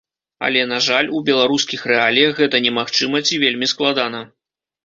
Але, на жаль, у беларускіх рэаліях гэта немагчыма ці вельмі складана.